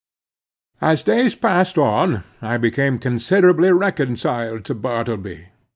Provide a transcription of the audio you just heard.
As days passed on, I became considerably reconciled to Bartleby.